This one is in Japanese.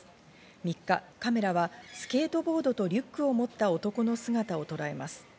３日、カメラはスケートボードとリュックを持った男の姿をとらえます。